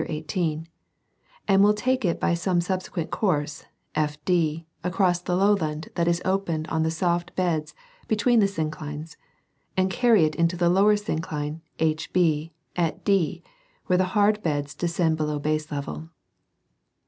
18,* and will take it by some subsequent course, FD, across the lowland that is opened on the soft beds between the synclines, and carry it into the lower syncline, HB, at D where the hard beds descend below baselevel.